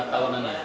lima tahunan ya